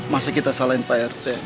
masa kita salahin pak rt